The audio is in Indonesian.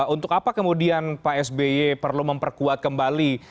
untuk apa kemudian pak sby perlu memperkuat kembali